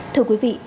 thưa quý vị